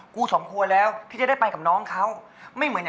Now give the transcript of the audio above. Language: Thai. กูเนี่ยเอ้าชีวิตเข้าแรกเว้ย